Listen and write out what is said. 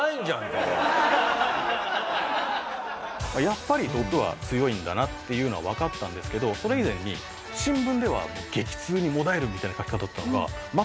やっぱり毒は強いんだなっていうのはわかったんですけどそれ以前に新聞では激痛に悶えるみたいな書き方だったのが。